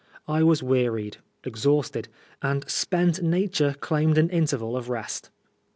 I was wearied, exhausted ; and spent nature claimed an interval of rest.